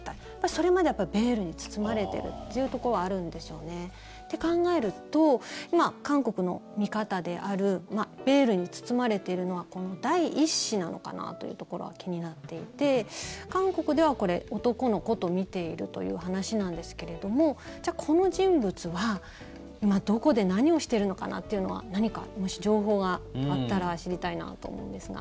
それまではベールに包まれているというところはあるんでしょうね。と考えると、韓国の見方であるベールに包まれているのは第１子なのかなというところは気になっていて韓国ではこれ、男の子とみているという話なんですけどもこの人物は、今どこで何をしてるのかなというのは何かもし情報があったら知りたいなと思うんですが。